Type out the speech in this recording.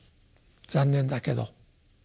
残念だけど。